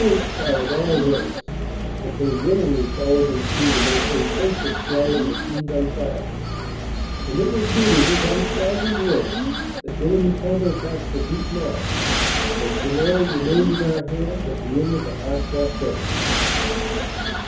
2 257 inspired all ranks that they willingly followed him through the most intensive shell and machine gun fire, and it was due to his unflagging work that enemy counter attacks were beaten off and Tilloy remained in our hands at the end of the hard fought day.